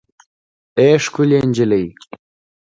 اې ښکلې نجلۍ